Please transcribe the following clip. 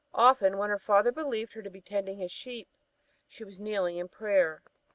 Often, when her father believed her to be tending his sheep, she was kneeling at prayer.